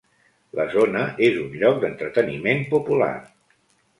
La zona és un lloc d'entreteniment popular.